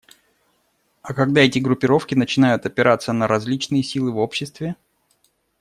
А когда эти группировки начинают опираться на различные силы в обществе?